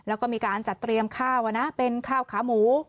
แล้วก็มีการจัดเตรียมข้าวนะเป็นข้าวขาหมู